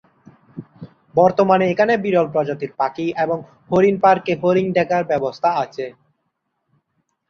বর্তমানে এখানে বিরল প্রজাতির পাখি এবং হরিণ পার্কে হরিণ দেখার ব্যবস্থা আছে।